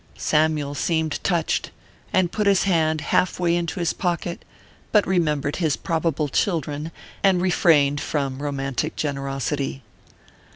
Samyule seemed touched, and put his hand half way into his pocket, but remembered his probable children, and refrained from romantic generosity.